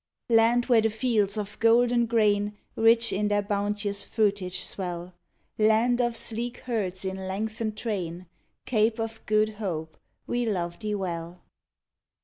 Land where the fields of golden grain, Rich in their bounteous fruitage swell; Land of sleek herds in lengthened train, Cape of Good Hope, we love thee well.